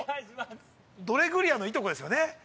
ドレグリアのいとこですよね。